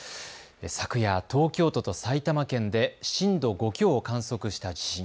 昨夜、東京都と埼玉県で震度５強を観測した地震。